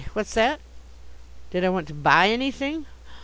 what's that? Did I want to buy anything?